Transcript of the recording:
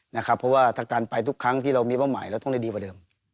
เพราะว่าถ้าการไปทุกครั้งที่เรามีเป้าหมายเราต้องได้ดีกว่าเดิม